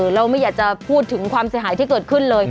เราไม่อยากจะพูดถึงความเสียหายที่เกิดขึ้นเลย